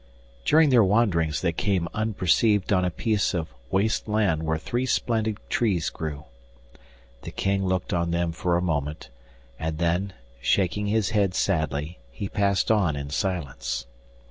During their wanderings they came unperceived on a piece of waste land where three splendid trees grew. The King looked on them for a moment, and then, shaking his head sadly, he passed on in silence.